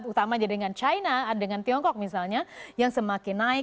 utamanya dengan china dengan tiongkok misalnya yang semakin naik